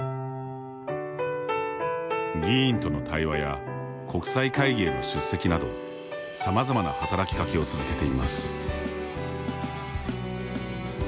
議員との対話や国際会議への出席などさまざまな働きかけを続けています。